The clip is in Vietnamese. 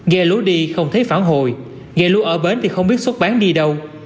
ghe lối đi không thấy phản hồi ghe lúa ở bến thì không biết xuất bán đi đâu